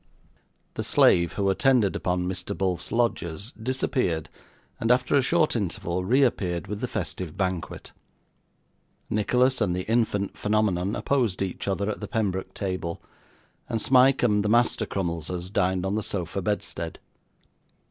The slave who attended upon Mr. Bulph's lodgers, disappeared, and after a short interval reappeared with the festive banquet. Nicholas and the infant phenomenon opposed each other at the pembroke table, and Smike and the master Crummleses dined on the sofa bedstead.